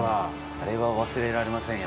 あれは忘れられませんよ